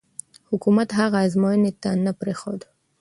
حکومت هغه ازموینې ته نه پرېښود.